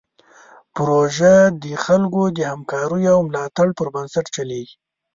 پروژه د خلکو د همکاریو او ملاتړ پر بنسټ چلیږي.